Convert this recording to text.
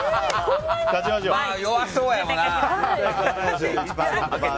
まあ弱そうやもんな。